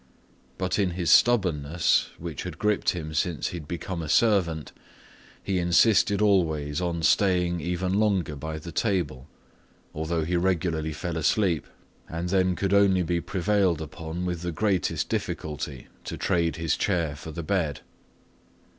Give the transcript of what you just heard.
But in his stubbornness, which had gripped him since he had become a servant, he insisted always on staying even longer by the table, although he regularly fell asleep and then could only be prevailed upon with the greatest difficulty to trade his chair for the bed.